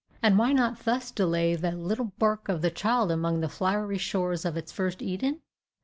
And why not thus delay the little bark of the child among the flowery shores of its first Eden?